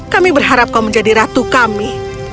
kami berharap kau menjadi ratu kami